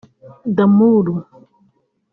D'Amour